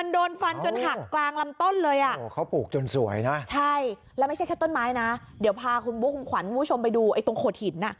ได้นะเดี๋ยวพาคุณบุ๊คคุณควันคุณผู้ชมไปดูไอ้ตรงโขดหิน